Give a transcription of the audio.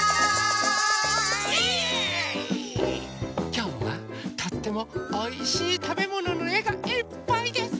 きょうはとってもおいしいたべもののえがいっぱいです！